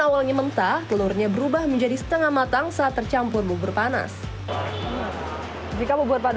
awalnya mentah telurnya berubah menjadi setengah matang saat tercampur bubur panas jika membuat pada